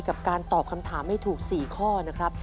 กับการตอบคำถามให้ถูก๔ข้อนะครับ